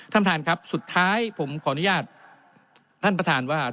ท่านประธานครับสุดท้ายผมขออนุญาตท่านประธานว่า